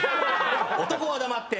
男は黙って。